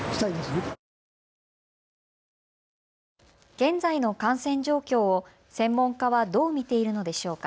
現在の感染状況を専門家はどう見ているのでしょうか。